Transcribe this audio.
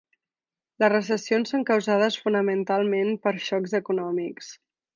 Les recessions són causades fonamentalment per xocs econòmics.